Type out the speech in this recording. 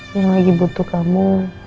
yang lagi butuh kamu